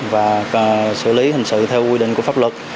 và xử lý hình sự theo quy định của pháp luật